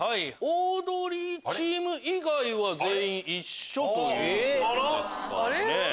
オードリーチーム以外は全員一緒ということですかね。